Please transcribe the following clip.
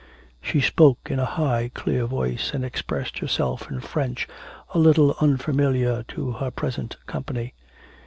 She spoke in a high clear voice, and expressed herself in French a little unfamiliar to her present company.